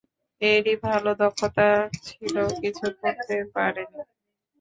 ওর ভালই দক্ষতা ছিল, কিছু করতে পারেনি।